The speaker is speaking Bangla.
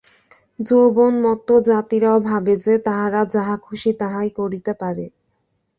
যৌবন-মত্ত জাতিরাও ভাবে যে, তাহারা যাহা খুশি তাহাই করিতে পারে।